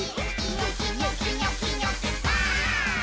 「ニョキニョキニョキニョキバーン！」